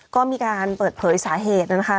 ก็มีการเปิดเผยสาเหตุนะคะ